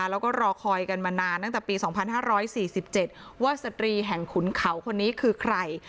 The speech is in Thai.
แล้วก็รอคอยกันมานานตั้งแต่ปี๒๕๔๗ว่าสตรีแห่งขุนเขาคนนี้คือใคร